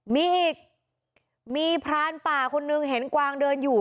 มีอีกมีพรานป่าคนนึงเห็นกวางเดินอยู่